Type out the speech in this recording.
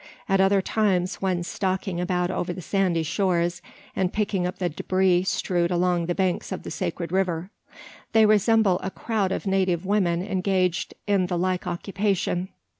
At other times, when stalking about over the sandy shores; and picking up the debris strewed along the banks of the sacred river; they resemble a crowd of native women engaged in the like occupation.